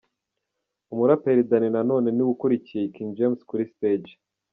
Umuraperi Danny Nanone niwe ukurikiye King James kuri Stage.